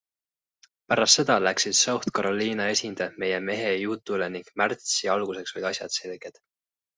Pärast seda läksid South Carolina esindajad meie mehe jutule ning märtsi alguseks olid asjad selged.